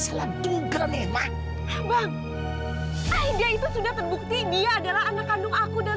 selantung keren emang abang dia itu sudah terbukti dia adalah anak kandung aku dan